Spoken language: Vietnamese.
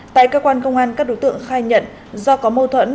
tại cơ quan công an các đối tượng khai nhận do có mâu thuẫn